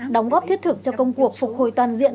đóng góp thiết thực cho công cuộc phục hồi toàn diện